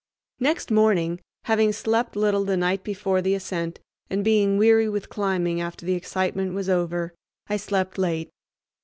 Next morning, having slept little the night before the ascent and being weary with climbing after the excitement was over, I slept late.